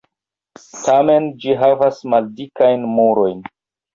Tamen ĝi havas maldikajn murojn.